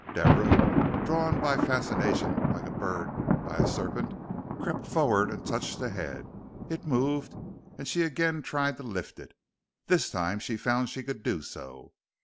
Deborah, drawn by fascination like a bird by a serpent, crept forward and touched the head. It moved, and she again tried to lift it. This time she found she could do so.